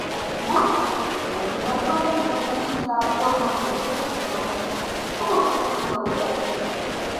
Woods es una reconocida activista por los derechos de los homosexuales.